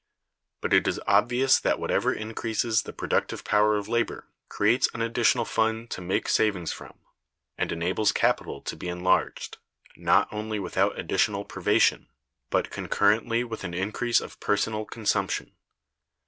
But it is obvious that whatever increases the productive power of labor, creates an additional fund to make savings from, and enables capital to be enlarged, not only without additional privation, but concurrently with an increase of personal consumption.